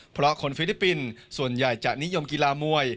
เพราะคนฟิลิปปินส์ส่วนใหญ่จะนิยมกีฬามวย